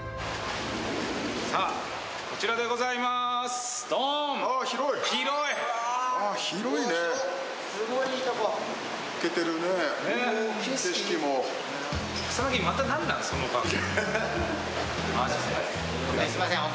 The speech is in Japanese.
さあ、こちらでございまーすドン！